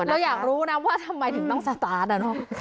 เราอยากรู้นะว่าทำไมถึงต้องสตาร์ทอะเนอะ